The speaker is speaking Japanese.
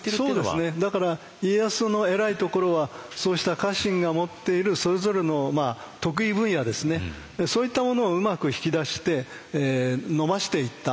そうですねだから家康の偉いところはそうした家臣が持っているそれぞれの得意分野ですねそういったものをうまく引き出して伸ばしていった。